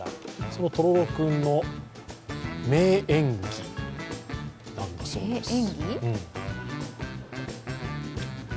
そのとろろ君の名演技なんだそうです。